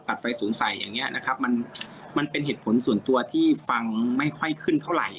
ไฟศูนย์ใส่อย่างนี้นะครับมันมันเป็นเหตุผลส่วนตัวที่ฟังไม่ค่อยขึ้นเท่าไหร่